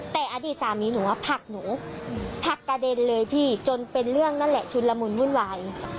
แต่อดีตสามีหนูผลักหนูผักกระเด็นเลยพี่จนเป็นเรื่องนั่นแหละชุนละมุนวุ่นวาย